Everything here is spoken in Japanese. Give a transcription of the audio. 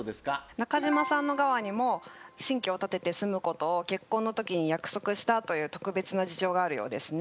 中島さんの側にも新居を建てて住むことを結婚の時に約束したという特別な事情があるようですね。